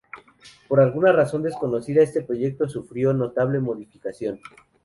Por alguna razón desconocida, este proyecto sufrió una notable modificación.